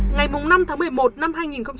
ngày năm tháng một mươi một năm hai nghìn hai mươi